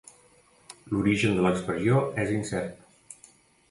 L'origen de l'expressió és incert.